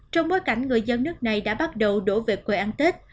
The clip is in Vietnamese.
trong bối cảnh người dân nước này đã bắt đầu đổ về quê ăn tết